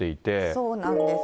そうなんです。